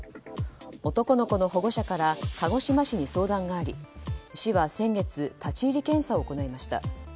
男の子の保護者から鹿児島市に相談があり市は先月立ち入り検査を行いました。